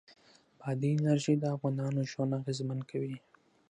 بادي انرژي د افغانانو ژوند اغېزمن کوي.